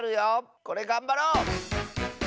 これがんばろう！